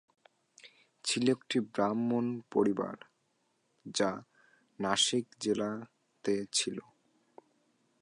ছিল একটি ব্রাহ্মণ পরিবার যা নাশিক জেলা তে ছিল।